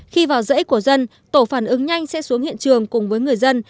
khi vào dãy của dân tổ phản ứng nhanh sẽ xuống hiện trường cùng với người dân